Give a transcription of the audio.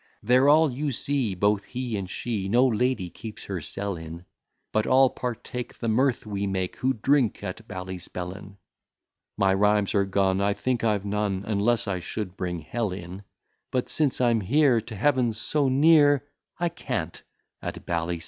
There all you see, both he and she, No lady keeps her cell in; But all partake the mirth we make, Who drink at Ballyspellin. My rhymes are gone; I think I've none, Unless I should bring Hell in; But, since I'm here to Heaven so near, I can't at Ballyspellin!